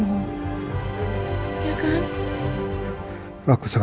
aku sangat benci dengan keadaan ini